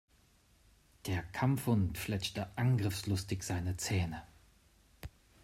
Der Kampfhund fletschte angriffslustig seine Zähne.